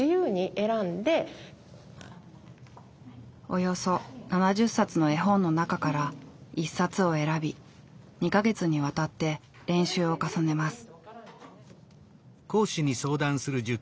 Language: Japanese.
およそ７０冊の絵本の中から１冊を選び２か月にわたって練習を重ねます。